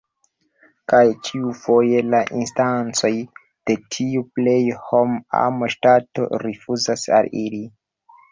Kaj ĉiufoje la instancoj de tiu „plej hom-ama ŝtato” rifuzas al ili.